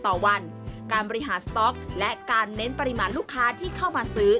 ต่อวันการบริหารสต๊อกและการเน้นปริมาณลูกค้าที่เข้ามาซื้อ